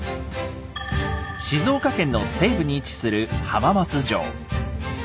静岡県の西部に位置する浜松城。